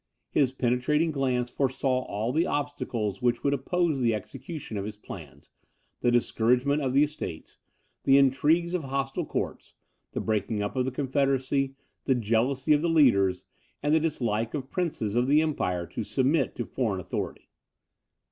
His penetrating glance foresaw all the obstacles which would oppose the execution of his plans, the discouragement of the estates, the intrigues of hostile courts, the breaking up of the confederacy, the jealousy of the leaders, and the dislike of princes of the empire to submit to foreign authority.